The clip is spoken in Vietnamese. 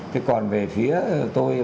thế còn về phía tôi